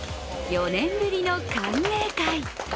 ４年ぶりの歓迎会。